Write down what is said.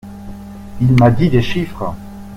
Il m'a dit des chiffres!